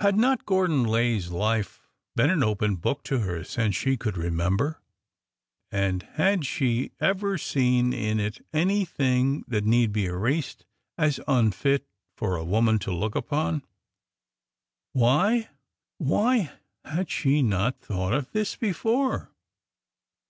Had not Gordon Lay's life been an open book to her since she could remember? And had she ever seen in it any thing that need be erased as unfit for a woman to look upon? ... Why, — zvhy had she not thought of this be fore